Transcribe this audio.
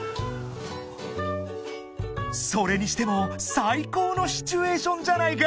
［それにしても最高のシチュエーションじゃないか］